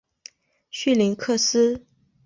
绪林克斯。